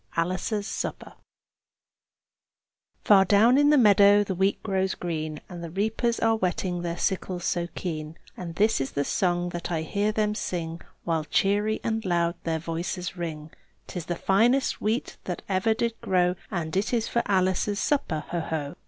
ALICE'S SUPPER Far down in the meadow the wheat grows green, And the reapers are whetting their sickles so keen; And this is the song that I hear them sing, While cheery and loud their voices ring: "'Tis the finest wheat that ever did grow! And it is for Alice's supper, ho! ho!"